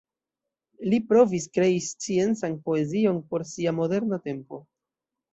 Li provis krei sciencan poezion por sia moderna tempo.